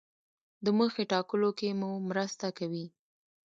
د موخې ټاکلو کې مو مرسته کوي.